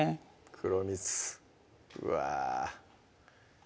黒蜜うわ